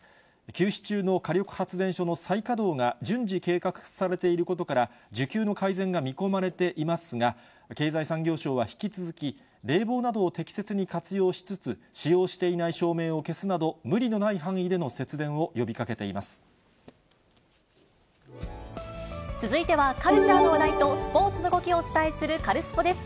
休止中の火力発電所の再稼働が順次計画されていることから、需給の改善が見込まれていますが、経済産業省は引き続き、冷房などを適切に活用しつつ、使用していない照明を消すなど、無理のない範囲での節電を呼びか続いてはカルチャーの話題とスポーツの動きをお伝えするカルスポっ！です。